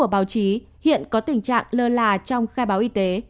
theo một báo chí hiện có tình trạng lơ là trong khai báo y tế